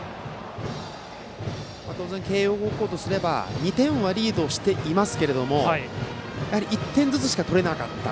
当然、慶応高校とすれば２点はリードしていますけれどもやはり１点ずつしか取れなかった。